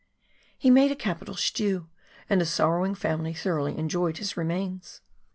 He made a capital stew, and his sorrowing family thoroughly enjoyed his remains !